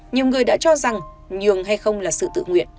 nhiều người đã cho rằng nhường hay không là sự tự nguyện